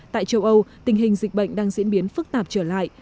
tại châu âu tình hình dịch bệnh đang diễn biến phức tạp trở lại